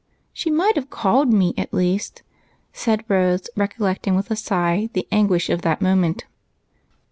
She might have called me at least," said Rose, recollect ing, wdth a sigh, the anguish of that moment.